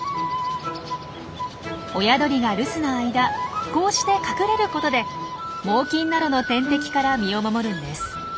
親鳥が留守の間こうして隠れることで猛禽などの天敵から身を守るんです。